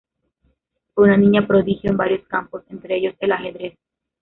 Fue una niña prodigio en varios campos, entre ellos el ajedrez.